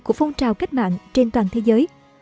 của phong trào cách mạng trên toàn thế giới